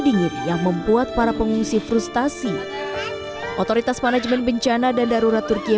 dingin yang membuat para pengungsi frustasi otoritas manajemen bencana dan darurat turkiye